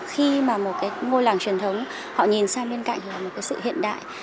khi mà một cái ngôi làng truyền thống họ nhìn sang bên cạnh là một cái sự hiện đại